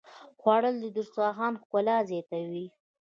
خوړل د دسترخوان ښکلا زیاتوي